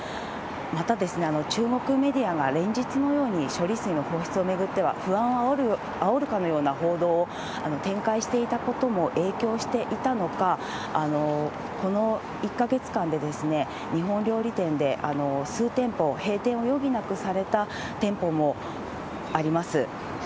また、中国メディアが連日のように処理水の放出を巡っては、不安をあおるかのような報道を展開していたことも影響していたのか、この１か月間で日本料理店で数店舗、閉店を余儀なくされた店舗もあります。